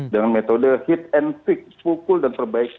dengan metode hit and fix pukul dan perbaikan